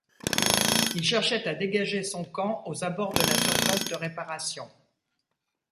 Il cherchait à dégager son camp aux abords de la surface de réparation.